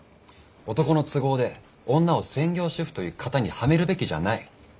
男の都合で女を「専業主婦」という型にはめるべきじゃない。